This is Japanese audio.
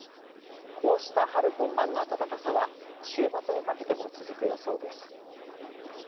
こうした春本番の暖かさは週末にかけても続く予想です。